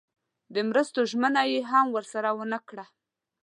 د مرستو ژمنه یې هم ورسره ونه کړه.